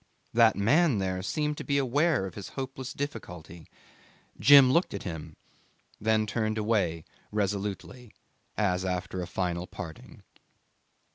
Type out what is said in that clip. That man there seemed to be aware of his hopeless difficulty. Jim looked at him, then turned away resolutely, as after a final parting.